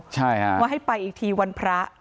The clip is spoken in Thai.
ใช่ครับทีวันพระ